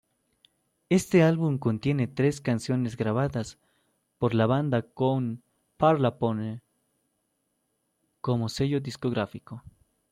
Éste álbum contiene tres canciones grabadas por la banda con Parlophone como sello discográfico.